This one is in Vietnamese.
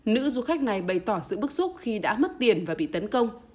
nữ du khách này bày tỏ sự bức xúc khi đã mất tiền và bị tấn công